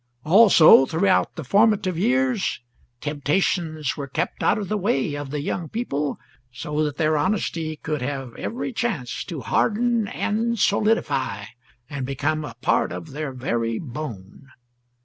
Also, throughout the formative years temptations were kept out of the way of the young people, so that their honesty could have every chance to harden and solidify, and become a part of their very bone.